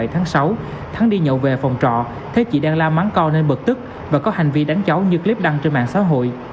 bảy tháng sáu thắng đi nhậu về phòng trọ thế chị đang la mắng con nên bật tức và có hành vi đánh cháu như clip đăng trên mạng xã hội